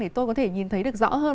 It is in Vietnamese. để tôi có thể nhìn thấy được rõ hơn